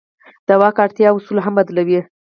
د واک اړتیا اصول هم بدلوي.